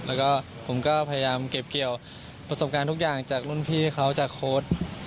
แล้วก็ผมก็พยายามเก็บเกี่ยวประสบการณ์ทุกอย่างจากรุ่นพี่เขาจากโค้ด